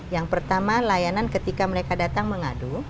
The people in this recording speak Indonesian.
yang pertama layanan ketika mereka datang mengadu